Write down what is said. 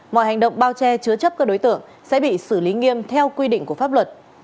mọi hành động bao che chứa chấp các đối tượng sẽ bị xử lý nghiêm theo quy định của pháp luật